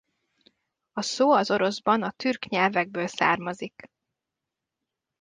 A szó az oroszban a türk nyelvekből származik.